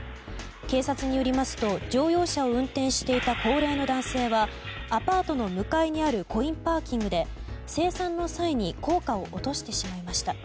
警察によりますと乗用車を運転していた高齢の男性はアパートの向かいにあるコインパーキングで精算の際に硬貨を落としてしまいました。